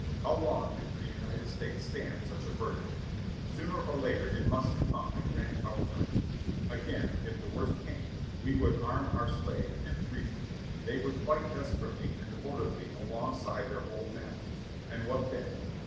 How long could the United States stand such a burden? Sooner or later it must succumb and grant our own terms. Again, if the worst came, we would arm our slaves and free them ; they would fight desperately and devotedly alongside of their old masters, and what then?